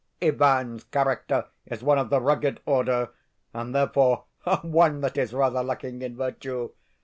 Ivan's character is one of the rugged order, and therefore, one that is rather lacking in virtue.